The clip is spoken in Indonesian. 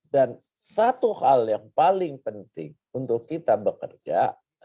dan satu hal yang paling penting untuk kita bekerja